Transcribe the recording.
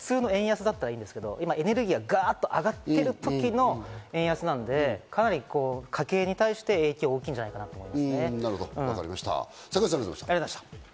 普通の円安だったらいいんですけど、エネルギーが上がってる時の円安なので、かなり家計に対して影響が大きいんじゃないかと思います。